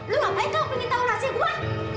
lu ngapain kau bikin tahu rahasia gue